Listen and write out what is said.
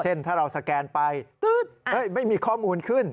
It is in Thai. เช่นถ้าเราสแกนไปไม่มีข้อมูลขึ้น